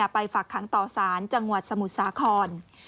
ฝากขังต่อสารจังหวัดสมุทรสาคร